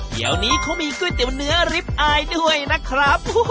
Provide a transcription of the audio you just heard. เดี๋ยวนี้เขามีก๋วยเตี๋ยวเนื้อริปอายด้วยนะครับ